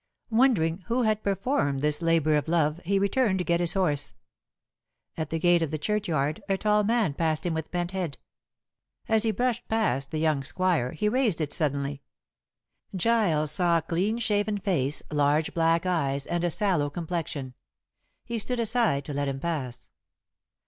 Wondering who had performed this labor of love, he returned to get his horse. At the gate of the churchyard a tall man passed him with bent head. As he brushed past the young squire he raised it suddenly. Giles saw a clean shaven face, large black eyes, and a sallow complexion. He stood aside to let him pass.